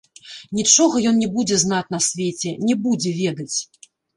Нічога ён не будзе знаць на свеце, не будзе ведаць.